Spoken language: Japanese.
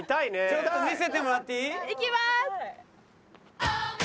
ちょっと見せてもらっていい？いきます！